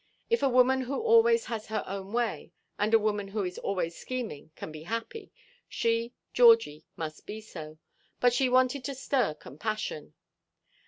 If a woman who always has her own way, and a woman who is always scheming, can be happy, she, Georgie, must be so; but she wanted to stir compassion.